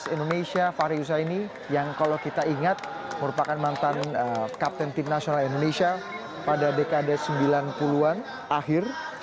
indonesia fahri husaini yang kalau kita ingat merupakan mantan kapten tim nasional indonesia pada dekade sembilan puluh an akhir